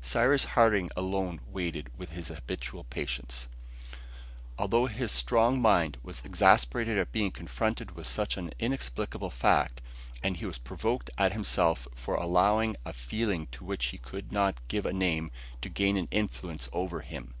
Cyrus Harding alone waited with his habitual patience, although his strong mind was exasperated at being confronted with such an inexplicable fact, and he was provoked at himself for allowing a feeling to which he could not give a name, to gain an influence over him.